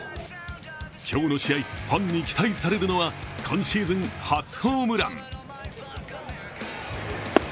今日の試合、ファンに期待されるのは今シーズン、初ホームラン。